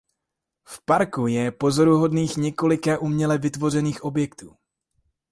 V parku je pozoruhodných několika uměle vytvořených objektů.